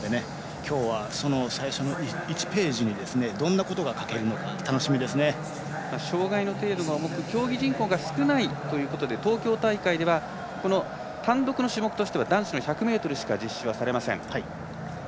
きょうは最初の１ページにどんなことが障がいの程度が重く競技人口が少ないということで東京大会では、単独種目としては男子１００ｍしか実施されません。